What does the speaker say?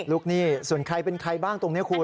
หนี้ส่วนใครเป็นใครบ้างตรงนี้คุณ